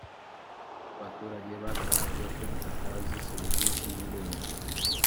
abaturage bagaragaje ko batazi serivisi y’irembo